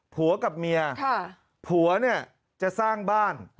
ผัวกับเมียผัวจะสร้างบ้าน